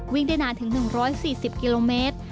วิ่งได้นานถึง๑๔๐กิโลเมตร